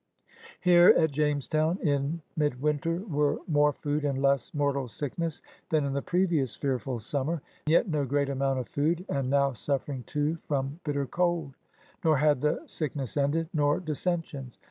Here at Jamestown in midwinter were more food and less mortal sickness than in the previous 48 PIONEERS OF THE OLD SOUTH fearful summer, yet no great amount of food, and now suffering, too, from bitter cold. Nor had the sickness ended, nor dissensions.